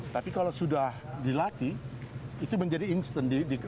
tapi kalau sudah dilatih itu menjadi instan